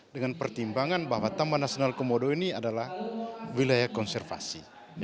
dengan pertimbangan bahwa taman nasional komodo ini adalah wilayah konservasi